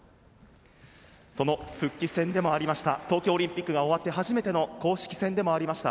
その復帰戦でもありました東京オリンピックが終わって初めての公式戦でもありました。